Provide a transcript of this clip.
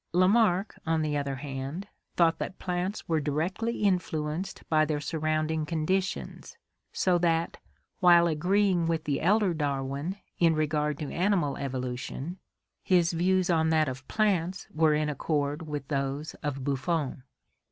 Lamarck, on the other hand, thought that plants were directly influenced by their surrounding conditions, so that, while agreeing with the elder Darwin in regard to animal evolution, his views on that of plants were in accord with those of Buffon.